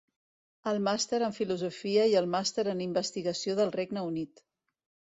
El Màster en Filosofia i el Màster en Investigació del Regne Unit.